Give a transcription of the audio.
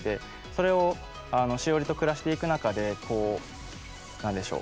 それをシオリと暮らしていく中でこう何でしょう。